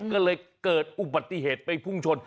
ก็เลยเกิดอุบัติเหตุไปพุ่งชน